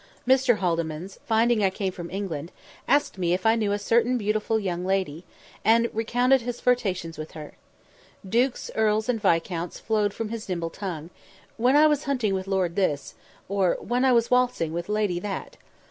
Mr. Haldimands, finding I came from England, asked me if I knew a certain beautiful young lady, and recounted his flirtations with her. Dukes, earls, and viscounts flowed from his nimble tongue "When I was hunting with Lord this," or "When I was waltzing with Lady that."